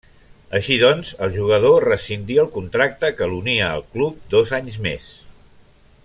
Així doncs, el jugador rescindí el contracte que l'unia al club dos anys més.